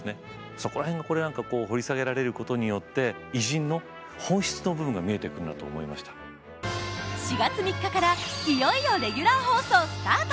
そこら辺を掘り下げられることによって４月３日からいよいよレギュラー放送スタート！